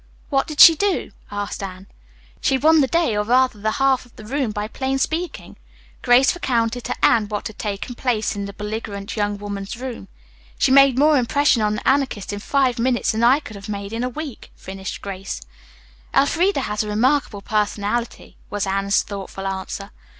"What did she do?" asked Anne. "She won the day, or rather the half of the room, by plain speaking." Grace recounted to Anne what had taken place in the belligerent young woman's room. "She made more impression on the Anarchist in five minutes than I could have made in a week," finished Grace. "Elfreda has a remarkable personality," was Anne's thoughtful answer.